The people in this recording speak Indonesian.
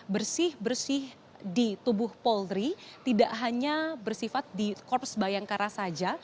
bersih bersih di tubuh polri tidak hanya bersifat di korps bayangkara saja